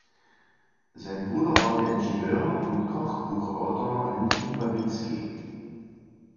Sein Bruder war der Ingenieur und Kochbuchautor Henri Babinski.